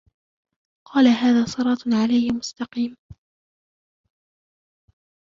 قال هذا صراط علي مستقيم